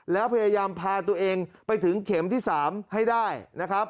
แล้วพยายามพาตัวเองไปถึงเข็มที่๓ให้ได้นะครับ